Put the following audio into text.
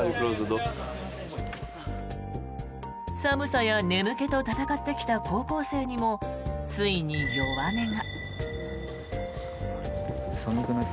寒さや眠気と闘ってきた高校生にもついに弱音が。